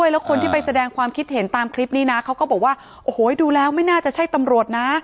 แล้วคนที่ไปแสดงความคิดเห็นตามคลิปนี้นะเขาก็บอกว่าโอ้โหดูแล้วไม่น่าจะใช่ตำรวจนะ